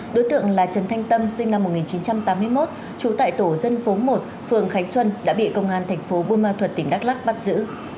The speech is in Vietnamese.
đối tượng là trần thanh tâm sinh năm một nghìn chín trăm tám mươi một trú tại tổ dân phố một phường khánh xuân đã bị công an thành phố buôn ma thuật tỉnh đắk lắc bắt giữ